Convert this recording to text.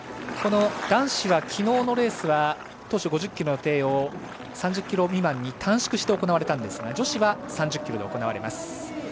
男子は昨日のレースは当初、５０ｋｍの予定を３０ｋｍ未満に短縮して行われたんですが女子は３０ｋｍで行われます。